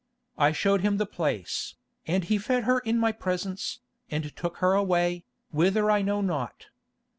I showed him the place, and he fed her in my presence, and took her away, whither I know not.